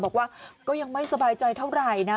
บอกว่าก็ยังไม่สบายใจเท่าไหร่นะ